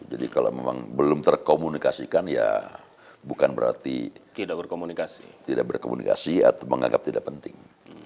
jadi kalau memang belum terkomunikasikan ya bukan berarti tidak berkomunikasi atau menganggap tidak penting